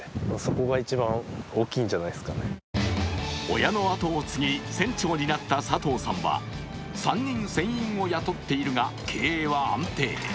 親の跡を継ぎ船長になった佐藤さんは３人、船員を雇っているが経営は安定。